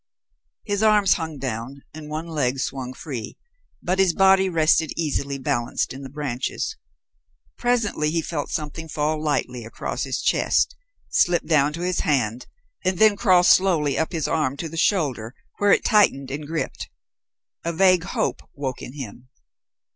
His arms hung down and one leg swung free, but his body rested easily balanced in the branches. Presently he felt something fall lightly across his chest, slip down to his hand, and then crawl slowly up his arm to the shoulder, where it tightened and gripped. A vague hope awoke in him.